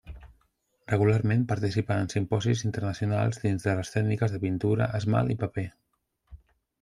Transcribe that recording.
Regularment participa en simposis internacionals dins de les tècniques de pintura, esmalt i paper.